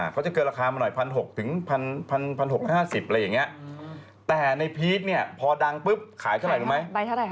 ก็จะเกินราคามาหน่อย๑๖๐๐๑๖๕๐บาทแต่ในพีชเนี่ยพอดังปุ๊บขายเท่าไหร่รู้ไหม